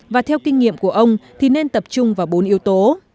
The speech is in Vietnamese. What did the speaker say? và theo kinh nghiệm của ông thì nên tập trung vào bốn yếu tố